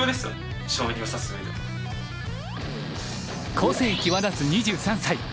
個性際立つ２３歳。